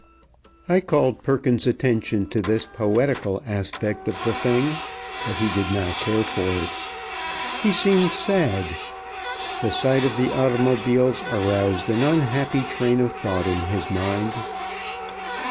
I called Perkins's attention to this poetical aspect of the thing, but he did not care for it. He seemed sad. The sight of the automobiles aroused an unhappy train of thought in his mind.